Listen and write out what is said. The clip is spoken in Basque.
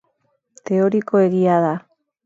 Teorikoegia da.